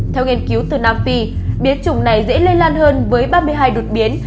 theo nghiên cứu từ nam phi biến chủng này dễ lây lan hơn với ba mươi hai đột biến